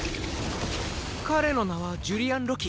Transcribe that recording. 彼の名はジュリアン・ロキ。